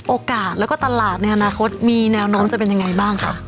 โอกาสแล้วก็ตลาดในอนาคตมีแนวโน้มจะเป็นยังไงบ้างคะ